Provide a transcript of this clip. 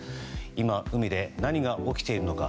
今、海で何が起きているのか。